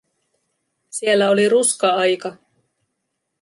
Siellä oli ruska-aika.